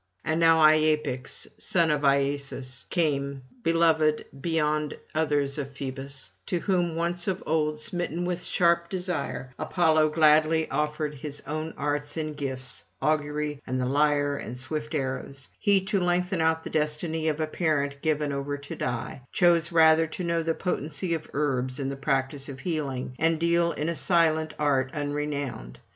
And now Iapix son of Iasus came, beloved beyond others of Phoebus, to whom once of old, smitten with sharp desire, Apollo gladly offered his own arts and gifts, augury and the lyre and swift arrows: he, to lengthen out the destiny of a parent given over to die, chose rather to know the potency of herbs and the practice of healing, and deal in a silent art unrenowned.